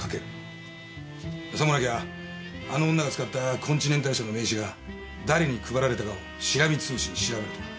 さもなきゃあの女が使ったコンチネンタル社の名刺が誰に配られたかをしらみ潰しに調べるとか。